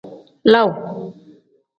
Laaw.